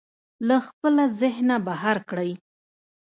له خپله ذهنه بهر کړئ.